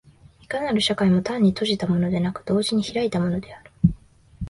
いかなる社会も単に閉じたものでなく、同時に開いたものである。